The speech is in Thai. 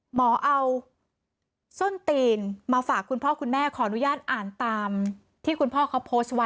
หมอเอาส้นตีนมาฝากคุณพ่อคุณแม่ขออนุญาตอ่านตามที่คุณพ่อเขาโพสต์ไว้